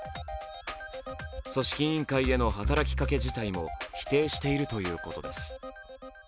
組織委員会への働きかけ自体も否定しているということです。